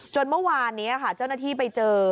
เมื่อวานนี้ค่ะเจ้าหน้าที่ไปเจอ